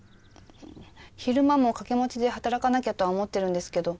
昼間も掛け持ちで働かなきゃとは思ってるんですけど。